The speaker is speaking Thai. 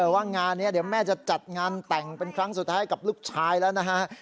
ว่างานนี้เดี๋ยวแม่จะจัดงานแต่งเป็นครั้งสุดท้ายกับลูกชายแล้วนะฮะ